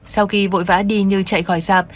sau khi vội vã đi như chạy khỏi sạp